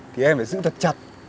thì em phải giữ thật chặt